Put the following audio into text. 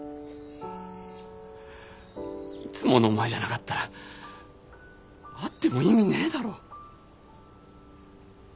いつものお前じゃなかったら会っても意味ねえだろ。